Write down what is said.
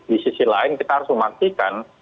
di sisi lain kita harus memastikan